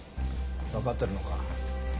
分かってるのか？